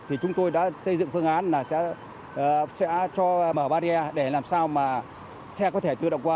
thì chúng tôi đã xây dựng phương án là sẽ cho mở barrier để làm sao mà xe có thể tự động qua